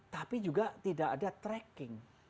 tapi juga tidak ada tracking